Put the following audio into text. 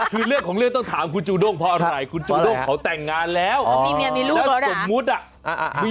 คือเรื่องของเรื่องต้องถามคุณจูด้งเพราะอะไรคุณจูด้งเขาแต่งงานแล้วสมมุติอ่ะ